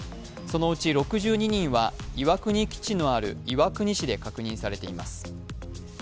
そのうち６２人は岩国基地のある岩国市で確認されています。